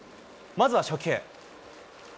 まずは初球。